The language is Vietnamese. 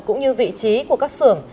cũng như vị trí của các xưởng